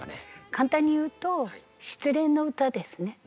簡単に言うと失恋の歌ですね。